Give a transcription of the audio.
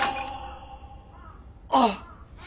あっ。